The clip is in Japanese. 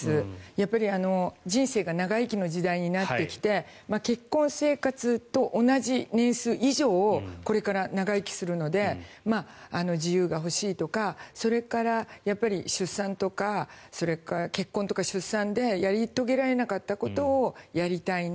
やっぱり人生が長生きの時代になってきて結婚生活と同じ年数以上をこれから長生きするので自由が欲しいとかそれから、結婚とか出産でやり遂げられなかったことをやりたいな。